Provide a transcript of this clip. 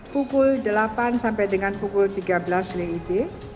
pukul delapan sampai dengan pukul tiga belas wib